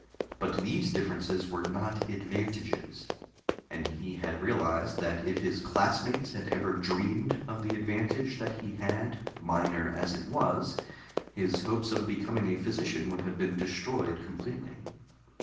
But these differences were not advantages, and he had realized that if his classmates had ever dreamed of the advantage that he had, minor as it was, his hopes of becoming a physician would have been destroyed completely.